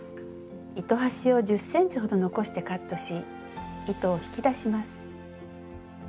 糸端を１０ｃｍほど残してカットし糸を引き出します。